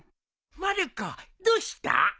まる子どうした？